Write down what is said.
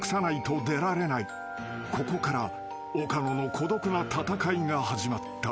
［ここから岡野の孤独な闘いが始まった］